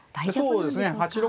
そうですね。